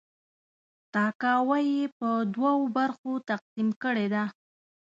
تاکاوی یې په دوه برخو تقسیم کړې ده.